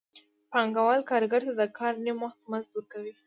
پانګوال کارګر ته د کار نیم وخت مزد ورکوي